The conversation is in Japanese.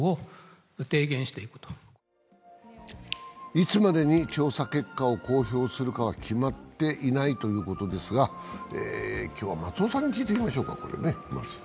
いつまでに調査結果を公表するかは決まっていないということですが、今日は松尾さんに聞いてみましょうかね。